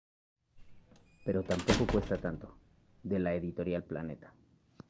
Pero tampoco cuesta tanto"" de la Editorial Planeta.